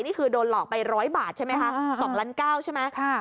นี่คือโดนหลอกไป๑๐๐บาทใช่ไหมคะ๒๙๐๐ใช่ไหม